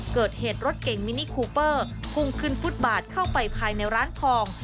เกิดเหตุรถเก่งมินิคูเปอร์พุ่งขึ้นฟุตบาทเข้าไปภายในร้านทอง